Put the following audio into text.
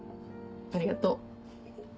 ありがとう。